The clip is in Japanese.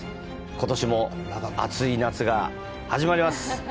ことしも暑い夏が始まります。